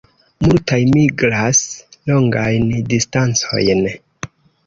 Multaj migras longajn distancojn.